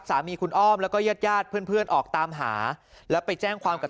สามีคุณอ้อมแล้วก็เย็ดเพื่อนออกตามหาแล้วไปแจ้งความกับ